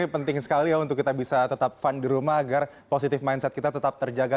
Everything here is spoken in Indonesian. ini penting sekali ya untuk kita bisa tetap fun di rumah agar positif mindset kita tetap terjaga